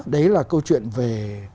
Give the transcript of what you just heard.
đấy là câu chuyện về